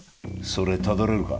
それたどれるか？